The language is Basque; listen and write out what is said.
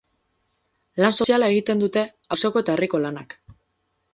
Lan soziala egiten dute, auzoko eta herriko lanak.